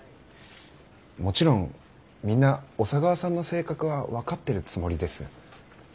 もちろんみんな小佐川さんの性格は分かってるつもりです。